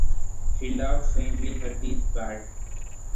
She laughed faintly, her teeth bad.